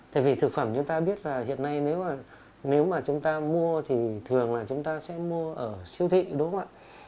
tại vì thực phẩm chúng ta biết là hiện nay nếu mà nếu mà chúng ta mua thì thường là chúng ta sẽ mua ở siêu thị đúng không ạ